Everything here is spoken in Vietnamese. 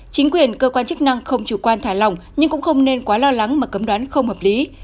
chính quyền cơ quan chức năng không chủ quan thả lòng nhưng cũng không nên quá lo lắng mà cấm đoán không hợp lý